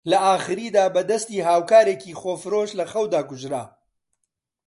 لە ئاخریدا بە دەستی هاوکارێکی خۆفرۆش لە خەودا کوژرا